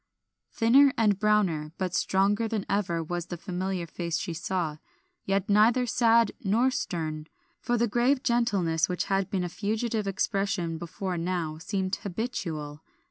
Thinner and browner, but stronger than ever was the familiar face she saw, yet neither sad nor stern, for the grave gentleness which had been a fugitive expression before now seemed habitual.